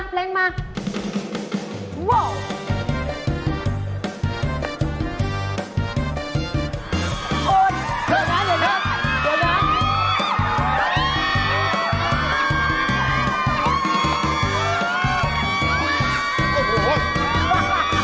โอ๊ยเดี๋ยวนะเดี๋ยวเถิดเดี๋ยวเถิด